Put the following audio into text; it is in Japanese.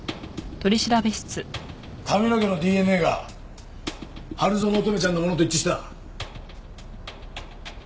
髪の毛のＤＮＡが春薗乙女ちゃんのものと一致した。